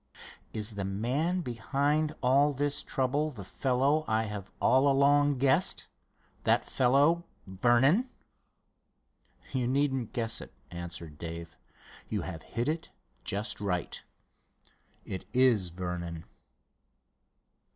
"Is the man behind all this trouble the fellow I have all along guessed—that fellow, Vernon?" "You needn't guess it," answered Dave. "You have hit it just right. It is Vernon."